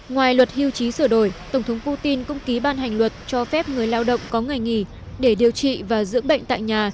ngoài luật hưu trí sửa đổi tổng thống putin cũng ký ban hành luật cho phép người lao động có ngày nghỉ để điều trị và dưỡng bệnh tại nhà